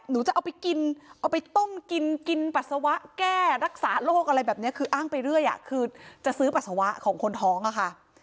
หนูจะเอาไปกินเอาไปต้มกินกินปัสสาวะแก้รักษาโรคอะไรแบบนี้คืออ้างไปเรื่อยคือจะซื้อปัสสาวะของคนท้องอะค่ะ